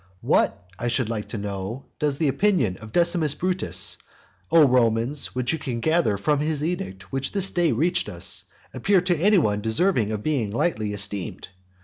What? does, I should like to know, does the opinion of Decimus Brutus, O Romans, which you can gather from his edict, which has this day reached us, appear to any one deserving of being lightly esteemed?